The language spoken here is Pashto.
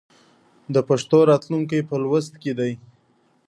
د پښتو راتلونکی په لوست کې دی.